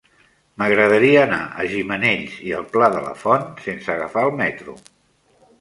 M'agradaria anar a Gimenells i el Pla de la Font sense agafar el metro.